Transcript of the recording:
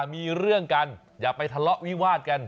มีเรื่องกันอย่าไปทะเลาะวิวาดกัน